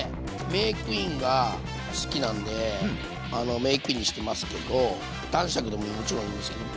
メークインが好きなんでメークインにしてますけど男爵でももちろんいいんですけど。